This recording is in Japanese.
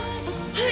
はい。